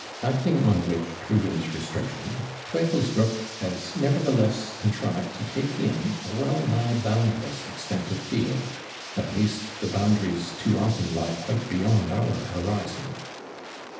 Acting on which prudent restriction, Teufelsdröckh has nevertheless contrived to take in a well nigh boundless extent of field; at least, the boundaries too often lie quite beyond our horizon.